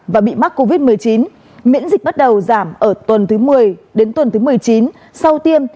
và bị mắc covid một mươi chín miễn dịch bắt đầu giảm ở tuần thứ một mươi đến tuần thứ một mươi chín sau tiêm